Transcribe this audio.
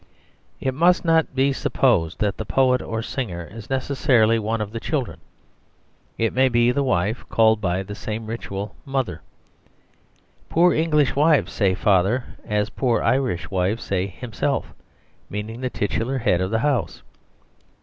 It must not be supposed that the poet or singer is necessarily one of the children. It may be the wife, called by the same ritual "Mother." Poor English wives say "Father" as poor Irish wives say "Himself," meaning the titular head of the house.